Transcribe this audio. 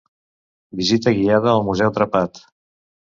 Visita guiada al Museu Trepat.